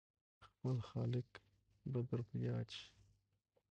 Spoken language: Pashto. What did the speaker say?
خپل خالق به در په ياد شي !